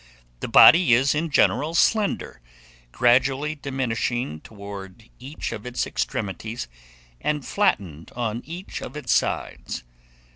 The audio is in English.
The body is in general slender, gradually diminishing towards each of its extremities, and flattened on each of its sides.